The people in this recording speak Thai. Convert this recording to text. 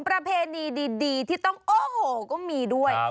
ประเพณีดีที่ต้องโอ้โหก็มีด้วย